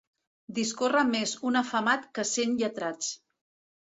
Discorre més un afamat que cent lletrats.